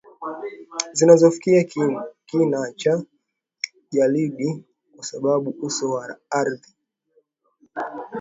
zinazofikia kina cha jalidi kwa sababu uso wa ardhi